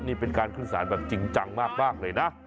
นี่เป็นการขึ้นสารแบบจริงจังมากเลยนะ